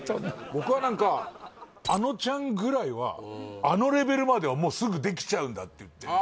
僕は何かａｎｏちゃんぐらいはあのレベルまではすぐできちゃうんだって